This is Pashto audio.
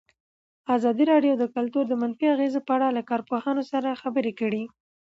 ازادي راډیو د کلتور د منفي اغېزو په اړه له کارپوهانو سره خبرې کړي.